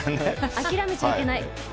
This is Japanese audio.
諦めちゃいけない。